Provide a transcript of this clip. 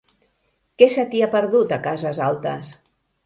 Què se t'hi ha perdut, a Cases Altes?